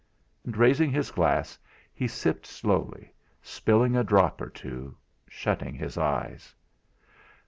And, raising his glass, he sipped slowly, spilling a drop or two, shutting his eyes.